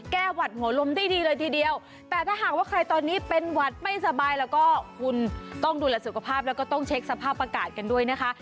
หวัดหัวลมได้ดีเลยทีเดียวแต่ถ้าหากว่าใครตอนนี้เป็นหวัดไม่สบายแล้วก็คุณต้องดูแลสุขภาพแล้วก็ต้องเช็คสภาพอากาศกันด้วยนะคะ